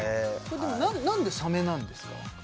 何でサメなんですか？